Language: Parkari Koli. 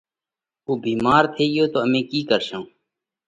اُو ڀيمار ٿي ڳيو تو امي ڪِي ڪرشون۔